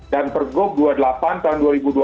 dan pergub dua puluh delapan tahun dua ribu dua puluh